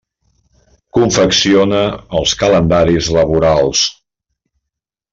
Confecciona els calendaris laborals.